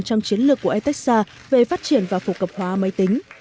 trong chiến lược của etexa về phát triển và phục hợp hóa máy tính